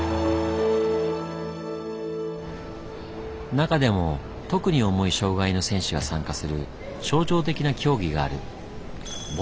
中でも特に重い障害の選手が参加する象徴的な競技がある。